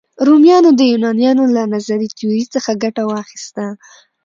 رومیانو د یونانیانو له نظري تیوري څخه ګټه واخیسته.